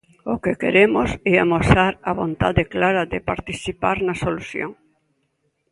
O que queremos é amosar a vontade clara de participar na solución.